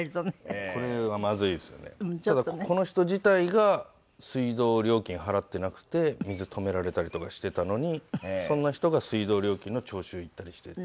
ただこの人自体が水道料金払っていなくて水止められたりとかしていたのにそんな人が水道料金の徴収行ったりしていた。